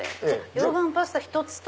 溶岩パスタ１つと。